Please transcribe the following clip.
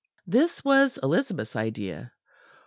This was Elizabeth's idea.